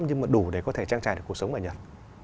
nhưng mà đủ để có thể trang trải được cuộc sống ở nhật